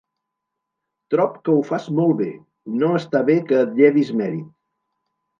Trob que ho fas molt bé, no està bé que et llevis mèrit.